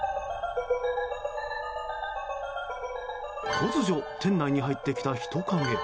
突如、店内に入ってきた人影。